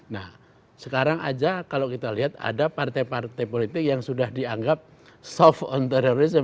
nah sekarang aja kalau kita lihat ada partai partai politik yang sudah dianggap soft on terorisme